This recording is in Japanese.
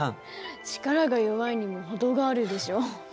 力が弱いにも程があるでしょ。